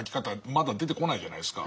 まだ出てこないじゃないですか。